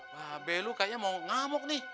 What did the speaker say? babe lu kayaknya mau ngamuk nih